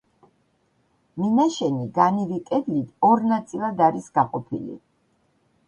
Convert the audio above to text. მინაშენი განივი კედლით ორ ნაწილად არის გაყოფილი.